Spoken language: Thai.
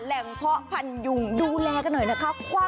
แหล่งเพาะพันโยงดูแลกันหน่อยนะคะ